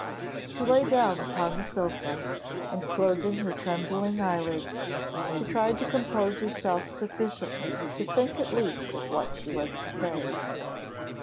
She lay down upon the sofa, and closing her trembling eyelids, she tried to compose herself sufficiently to think at least of what she was to say.